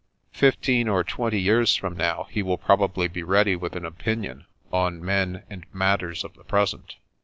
Fifteen or twenty years from now, he will probably be ready with an opinion on men and mat ters of the present.